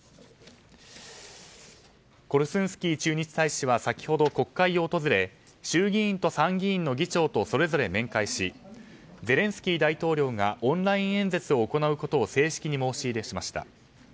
コルスンスキー駐日大使は先ほど国会を訪れ衆議院と参議院の議長とそれぞれ面会しゼレンスキー大統領がオンライン演説を行うことを正式に申し入れしました。